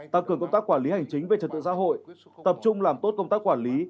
tăng cường công tác quản lý hành chính về trật tự xã hội tập trung làm tốt công tác quản lý